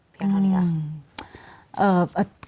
เพียงเท่านี้ค่ะ